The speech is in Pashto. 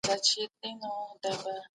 ځينې کسان وايي چی معنوي کلتور خورا اړين دی.